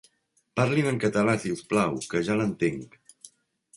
Parli'n en català, si us plau, que ja l'entenc.